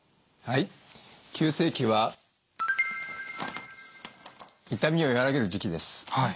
はい急性期は痛みをやわらげる時期です。